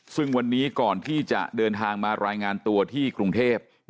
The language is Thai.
ซึ่งวันนี้ก่อนที่จะเดินทางมารายงานตัวที่กรุงเทพ